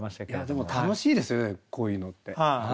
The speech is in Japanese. でも楽しいですよねこういうのって。